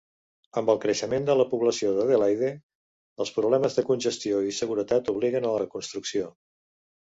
Amb el creixement de la població d' Adelaide, els problemes de congestió i seguretat obliguen a la reconstrucció.